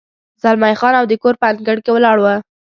زلمی خان او د کور په انګړ کې ولاړ و.